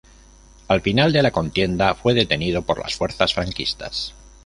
Al final de la contienda fue detenido por las fuerzas franquistas.